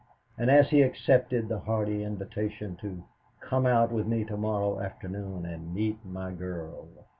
and as he accepted the hearty invitation to "come out with me to morrow afternoon and meet my girl."